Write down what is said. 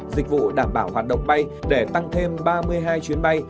dịch vụ đảm bảo hoạt động bay để tăng thêm ba mươi hai chuyến bay